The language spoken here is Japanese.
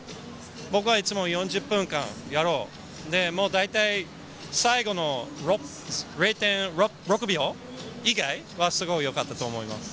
僕はいつも４０分間やろう、大体、最後の０．６秒以外はすごいよかったと思います。